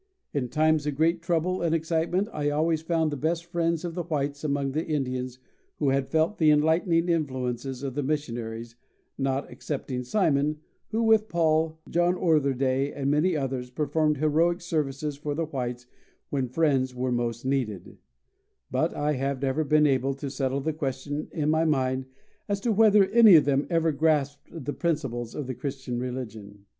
In times of great trouble and excitement I always found the best friends of the whites among the Indians who had felt the enlightening influences of the missionaries, not excepting Simon, who with Paul, John Otherday, and many others, performed heroic services for the whites when friends were most needed; but I have never been able to settle the question in my mind as to whether any of them ever grasped the principles of the Christian religion.